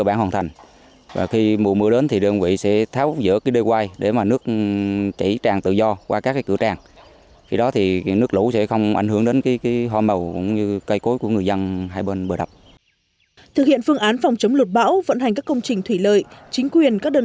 phương án phòng chống lũ bão vận hành các công trình thủy lợi chính quyền